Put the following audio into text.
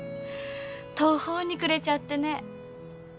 途方に暮れちゃってね。